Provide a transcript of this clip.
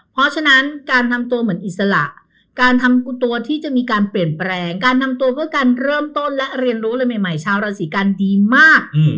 เพราะฉะนั้นการทำตัวเหมือนอิสระการทำตัวที่จะมีการเปลี่ยนแปลงการทำตัวเพื่อการเริ่มต้นและเรียนรู้อะไรใหม่ชาวราศีกันดีมาก